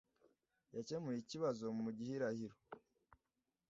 Yakemuye ikibazo mu gihirahiro .